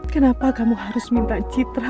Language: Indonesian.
kenapa kamu harus minta citra